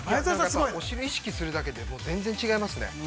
◆お尻を意識するだけで、全然違いますね。